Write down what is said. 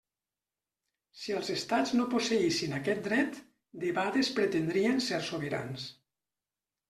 Si els estats no posseïssin aquest dret, debades pretendrien ser sobirans.